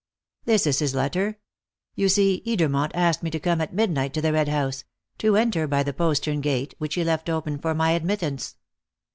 "This is his letter. You see, Edermont asked me to come at midnight to the Red House to enter by the postern gate, which he left open for my admittance."